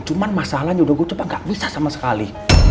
cuman masalahnya udah gue coba gak bisa sama sekali